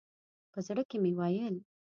په زړه کې مې ویل.